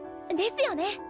ですよね！